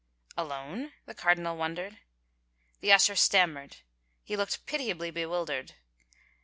"Alone?" the cardinal wondered. The usher stammered. He looked pitiably bewildered.